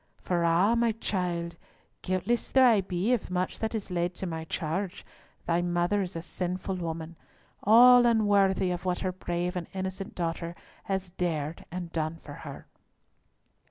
"For, ah! my child, guiltless though I be of much that is laid to my charge, thy mother is a sinful woman, all unworthy of what her brave and innocent daughter has dared and done for her."